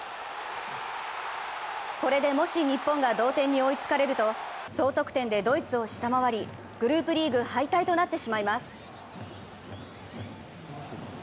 これでもし日本が同点に追いつかれると総得点でドイツを下回りグループリーグ敗退となってしまいます。